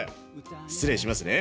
失礼しますね！